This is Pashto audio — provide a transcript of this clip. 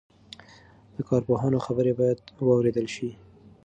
د کارپوهانو خبرې باید واورېدل شي.